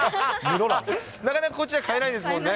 なかなかこっちじゃ買えないですもんね。